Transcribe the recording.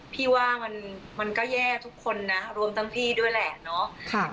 พี่ว่ามันก็แย่ทุกคนนะรวมทั้งพี่ด้วยแหละเนาะ